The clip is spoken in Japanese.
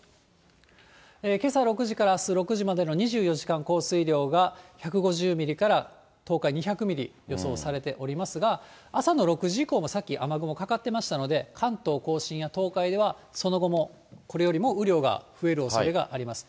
けさ６時からあす６時までの２４時間降水量が１５０ミリから東海２００ミリ、予想されておりますが、朝の６時以降もさっき雨雲かかってましたので、関東甲信や東海では、その後も、これよりも雨量が増えるおそれがあります。